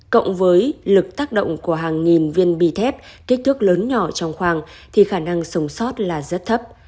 cộng với lực tác động của hàng nghìn viên bì thép kích thước lớn nhỏ trong khoang thì khả năng sống sót là rất thấp